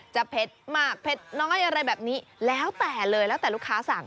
เผ็ดมากเผ็ดน้อยอะไรแบบนี้แล้วแต่เลยแล้วแต่ลูกค้าสั่ง